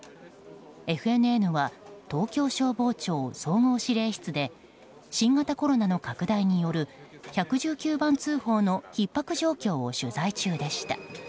ＦＮＮは東京消防庁総合指令室で新型コロナの拡大による１１９番通報のひっ迫状況を取材中でした。